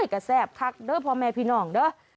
กระแสบคักเพราะแม่พี่น้อง